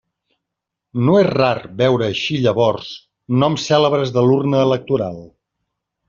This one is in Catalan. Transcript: No és rar veure eixir llavors noms cèlebres de l'urna electoral.